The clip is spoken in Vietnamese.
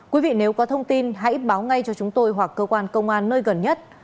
quý vị nếu có thông tin hãy báo ngay cho chúng tôi hoặc cơ quan công an nơi gần nhất